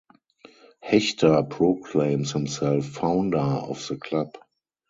Hechter proclaims himself "founder" of the club.